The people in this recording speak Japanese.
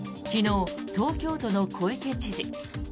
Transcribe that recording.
昨日、東京都の小池知事